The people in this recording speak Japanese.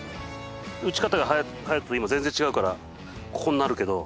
打ち方が隼人と全然違うからここになるけど。